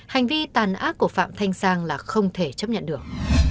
hành vi tàn ác của phạm thanh sang là không thể chấp nhận được